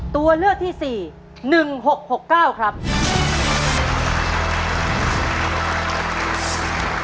ตัวเลือกที่สี่๑๖๖๙ครับ